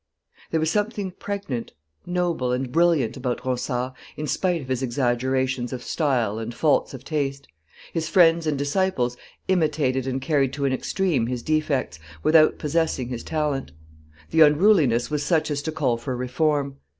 There was something pregnant, noble, and brilliant about Ronsard, in spite of his exaggerations of style and faults of taste; his friends and disciples imitated and carried to an extreme his defects, without possessing his talent; the unruliness was such as to call for reform.